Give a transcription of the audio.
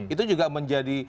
itu juga menjadi